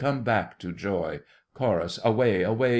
come back to joy! CHORUS. Away, away!